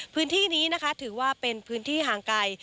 พื้นที่นี้นะคะถือว่าเป็นพื้นที่ห่างไกล